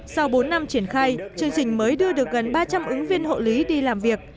sau bốn năm triển khai chương trình mới đưa được gần ba trăm linh ứng viên hộ lý đi làm việc